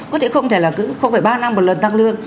có thể không phải ba năm một lần tăng lương